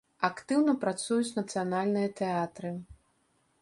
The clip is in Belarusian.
Актыўна працуюць нацыянальныя тэатры.